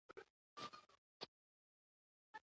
سیر کول ښه دي